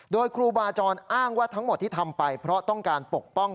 โดยครูบาจรอ้างว่าทั้งหมดที่ทำไปเพราะต้องการปกป้อง